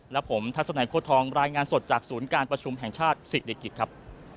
และผมทัศนัยโค้ดทองรายงานสดจากศูนย์การประชุมแห่งชาติศิริกิจครับ